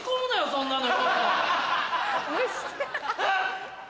そんなの。